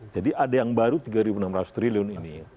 jadi ada yang baru tiga enam ratus triliun ini